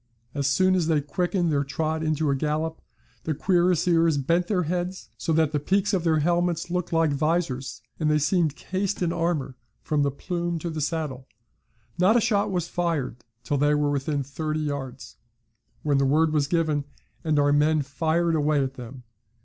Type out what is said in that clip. As soon as they quickened their trot into a gallop, the cuirassiers bent their heads so that the peaks of their helmets looked like vizors, and they seemed cased in armour from the plume to the saddle. Not a shot was fired till they were within thirty yards, when the word was given, and our men fired away at them.